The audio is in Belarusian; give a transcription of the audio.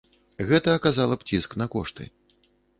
Гэта аказала б ціск на кошты.